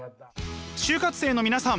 就活生の皆さん